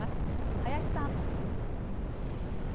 林さん。